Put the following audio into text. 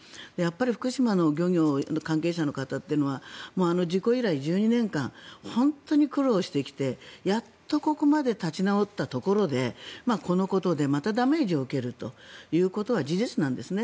福島の漁業関係者の方というのは事故以来１２年間本当に苦労してきてやっとここまで立ち直ったところでこのことでまたダメージを受けるということは事実なんですね。